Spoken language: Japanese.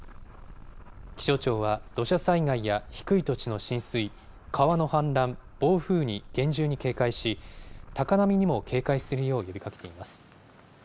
気象庁は土砂災害や低い土地の浸水、川の氾濫、暴風に厳重に警戒し、高波にも警戒するよう呼びかけています。